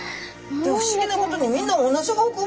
不思議なことにみんな同じ方向